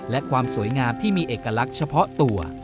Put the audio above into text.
และความสวยงามที่มีเอกลักษณ์เฉพาะตัว